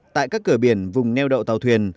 tại các cửa biển vùng neo đậu tàu thuyền